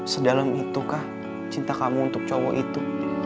sedalam itukah cinta kamu untuk cowok itu